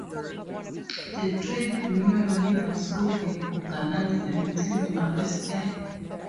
The trade union leaders, who had organised the meeting, were arrested.